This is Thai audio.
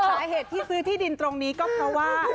สาเหตุที่ซื้อที่ดินตรงนี้ก็เพราะว่า